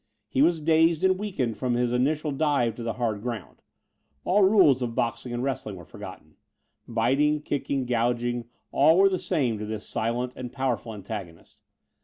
He was dazed and weakened from his initial dive to the hard ground. All rules of boxing and wrestling were forgotten. Biting, kicking, gouging, all were the same to this silent and powerful antagonist.